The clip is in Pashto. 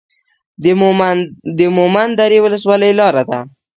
د مومند درې ولسوالۍ لاره ده